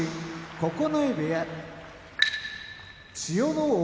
九重部屋千代ノ皇